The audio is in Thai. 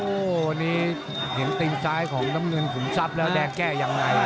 โอ้โหนี่เห็นทีมไซด์ของน้ำเงินฝุ่นทรัพย์แล้วแดงแก้อย่างไร